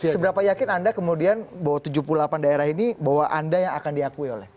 seberapa yakin anda kemudian bahwa tujuh puluh delapan daerah ini bahwa anda yang akan diakui oleh